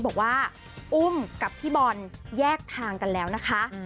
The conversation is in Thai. บอกว่าอุ้มกับพี่บอลแยกทางกันแล้วนะคะ